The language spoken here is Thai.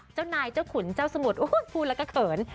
เจ้านายเจ้าขุนเจ้าสมุทรพูดแล้วก็เขิน